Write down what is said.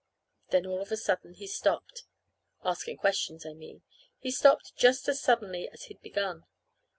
Then all of a sudden he stopped asking questions, I mean. He stopped just as suddenly as he'd begun.